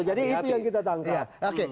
jadi itu yang kita tangkap